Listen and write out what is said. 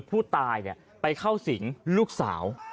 ผู้ตายไปเข้าสิงลูกสาว